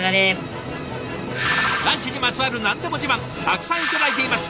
ランチにまつわる何でも自慢たくさん頂いています！